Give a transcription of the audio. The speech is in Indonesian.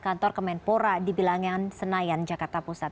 kantor kemenpora di bilangan senayan jakarta pusat